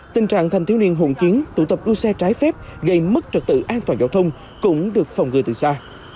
tình trạng thanh thiếu niên hộn chiến tụ tập đua xe trái phép gây mất trật tự an toàn giao thông cũng được phòng ngừa từ xa